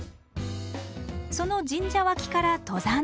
その神社脇から登山道へ。